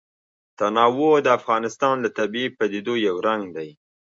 تنوع د افغانستان د طبیعي پدیدو یو رنګ دی.